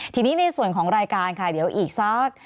ทีนี้ในส่วนของรายการค่ะเดี๋ยวอีกสัก